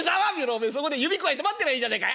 おめえそこで指くわえて待ってりゃいいじゃねえか。